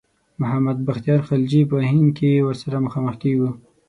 محمد بختیار خلجي په هند کې ورسره مخامخ کیږو.